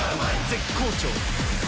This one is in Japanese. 絶好調！